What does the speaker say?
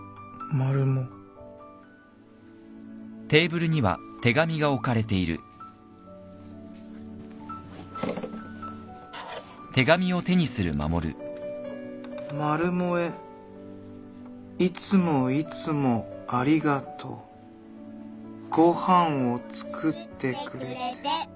「マルモへいつもいつもありがとう」「ごはんをつくってくれて」